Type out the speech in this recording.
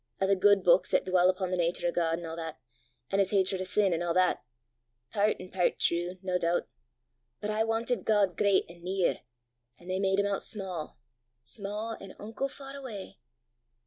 o' the guid buiks 'at dwall upo' the natur o' God an' a' that, an' his hatred o' sin an' a' that airt an' pairt true, nae doobt! but I wantit God great an' near, an' they made him oot sma' sma', an' unco far awa'.